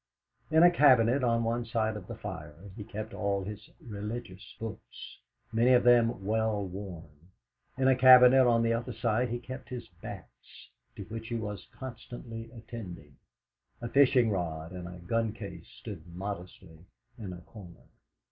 In a cabinet on one side of the fire he kept all his religious books, many of them well worn; in a cabinet on the other side he kept his bats, to which he was constantly attending; a fishing rod and a gun case stood modestly in a corner.